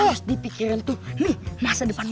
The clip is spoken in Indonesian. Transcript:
oh dia saling berang